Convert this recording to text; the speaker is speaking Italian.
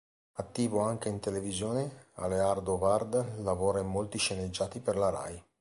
Attivo anche in televisione, Aleardo Ward lavora in molti sceneggiati per la Rai.